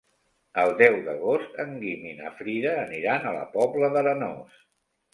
El deu d'agost en Guim i na Frida aniran a la Pobla d'Arenós.